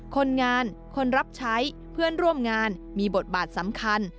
คนงานคนรับใช้เพื่อนร่วมงานมีบทบาทสำคัญ